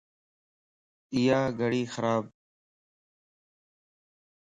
ايا گڙي خرابَ